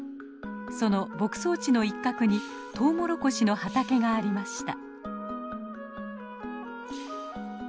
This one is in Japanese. その牧草地の一角にトウモロコシの畑がありました。